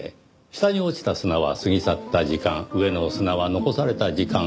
下に落ちた砂は過ぎ去った時間上の砂は残された時間。